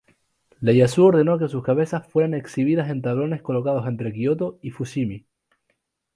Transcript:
Ieyasu ordenó que sus cabezas fueran exhibidas en tablones colocados entre Kioto y Fushimi.